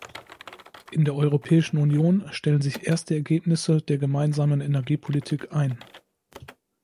In der Europäischen Union stellen sich erste Ergebnisse der gemeinsamen Energiepolitik ein.